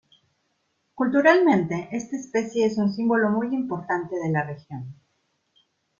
Culturalmente, esta especie es un símbolo muy importante de la región.